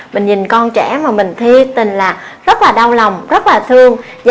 mình nhìn con trẻ mà mình thi tình là rất là đau lòng rất là thương